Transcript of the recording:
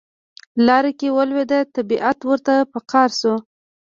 لار کې ولوید طبیعت ورته په قار شو.